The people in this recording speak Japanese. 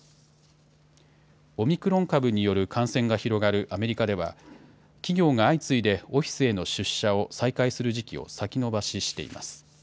オミクロン株による感染が広がるアメリカでは、企業が相次いでオフィスへの出社を再開する時期を先延ばししています。